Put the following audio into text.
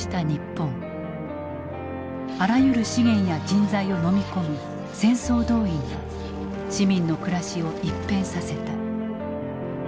あらゆる資源や人材をのみ込む戦争動員が市民の暮らしを一変させた。